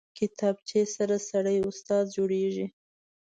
کتابچه سره سړی استاد جوړېږي